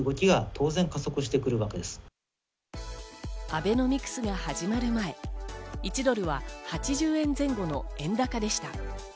アベノミクスが始まる前、１ドルは８０円前後の円高でした。